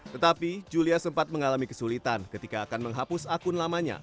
tetapi julia sempat mengalami kesulitan ketika akan menghapus akun lamanya